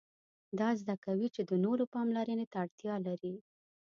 دا زده کوي چې د نورو پاملرنې ته اړتیا لري.